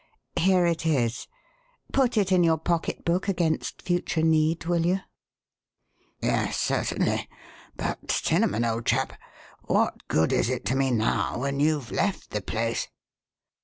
Here it is. Put it in your pocketbook against future need, will you?" "Yes, certainly. But cinnamon! old chap, what good is it to me now when you've left the place?"